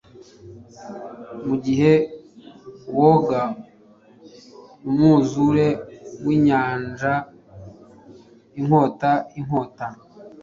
Mugihe woga umwuzure winyanjainkota-inkota